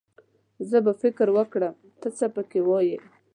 زه به فکر پرې وکړم، ته څه پکې وايې.